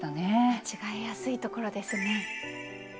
間違えやすいところですね。